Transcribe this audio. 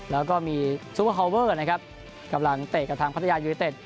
แล้วก็มีซูเปอร์ฮอลเวอร์นะครับกำลังเตะกับทางพัทยายูนิเต็ด